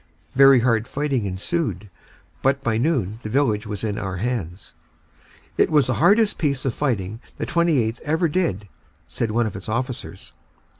Very hard fighting ensued but by noon the village was in our hands. "It was the hardest piece of fighting the 28th. ever did," said one of its officers.